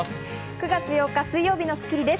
９月８日、水曜日の『スッキリ』です。